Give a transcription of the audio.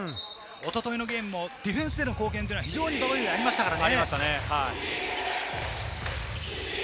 一昨日のゲームもディフェンスでの貢献は非常にありましたよね。